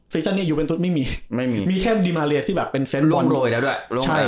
ฟิชันเนี้ยไม่มีไม่มีมีแค่ดิมาเรียที่แบบเป็นร่วงโรยแล้วด้วยใช่